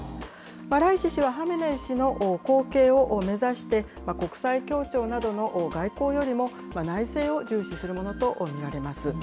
ライシ氏はハメネイ師の後継を目指して、国際協調などの外交よりも、内政を重視するものと見られます。